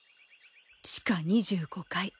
地下２５階。